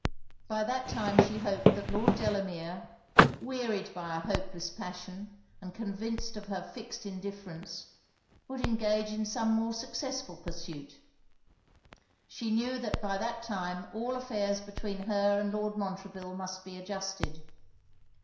By that time, she hoped that Lord Delamere, wearied by an hopeless passion, and convinced of her fixed indifference, would engage in some more successful pursuit. She knew that by that time all affairs between her and Lord Montreville must be adjusted.